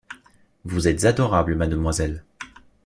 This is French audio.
Vous êtes adorable, mademoiselle.